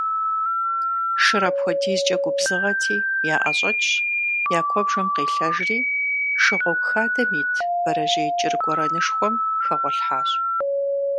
Шыр апхуэдизкӏэ губзыгъэти, яӏэщӏэкӏщ, я куэбжэм къелъэжри, шыгъуэгу хадэм ит бэрэжьей кӏыр гуэрэнышхуэм хэгъуэлъхьащ.